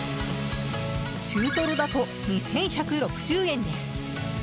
中トロだと、２１６０円です。